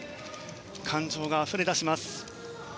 感情があふれ出します。